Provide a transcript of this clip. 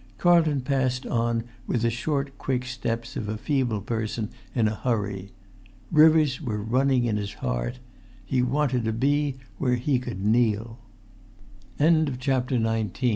Carlton passed on with the short, quick steps of a feeble person in a hurry. Rivers were running in his heart; he wanted to be where he could kneel. [Pg 23